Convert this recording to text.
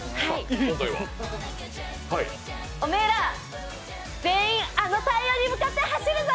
おめえら、全員、あの太陽に向かって走るぞ！